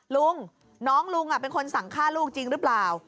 ลุงน้องลุงเป็นคนสั่งฆ่าลูกจริงหรือเปล่า